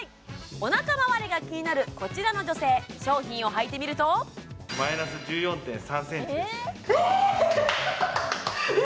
お腹まわりが気になるこちらの女性商品をはいてみると・マイナス１４．３ｃｍですええ！？